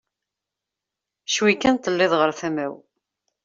Cwi kan telliḍ ɣer tama-w.